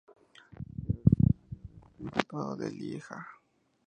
Era originario del principado de Lieja.